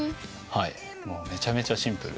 はいもうめちゃめちゃシンプル。